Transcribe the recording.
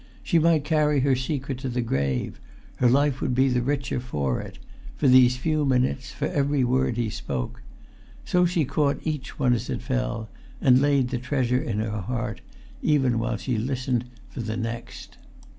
She might carry her secret to the grave; her life would be the richer for it, for these few minutes, for every word he spoke. So she caught each one as it fell, and laid the treasure in her heart, even while she listened for the next.